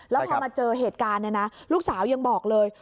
แล้วพอมาเจอเหตุการณ์เนี่ยนะลูกสาวยังบอกเลย